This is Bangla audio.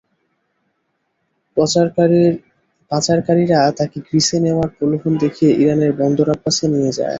পাচারকারীরা তাঁকে গ্রিসে নেওয়ার প্রলোভন দেখিয়ে ইরানের বন্দর আব্বাসে নিয়ে যায়।